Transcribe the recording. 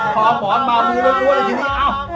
พอหมอนมามือลดละทีนี้